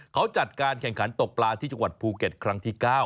เขาจัดการแข่งขันตกปลาที่จังหวัดภูเก็ตครั้งที่๙